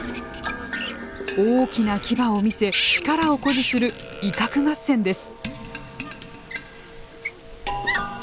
大きな牙を見せ力を誇示する威嚇合戦です。